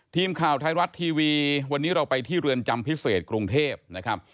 ทีมข่าวไทยรัฐทีวีวันนี้เราไปที่เรือนจำพิเศษกรุงเทพนะครับ